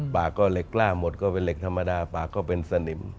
ปากก็เหล็กล่าหมดก็เป็นเหล็กธรรมดาปากก็เป็นสนิม